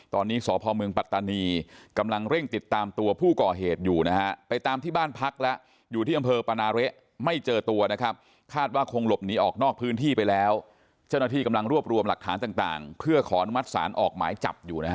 ตอนนี้สพมปัตตานีกำลังเร่งติดตามตัวผู้ก่อเหตุอยู่นะฮะ